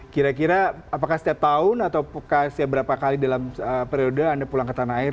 kira kira apakah setiap tahun atau setiap berapa kali dalam periode anda pulang ke tanah air